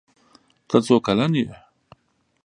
ته څو کلن یې؟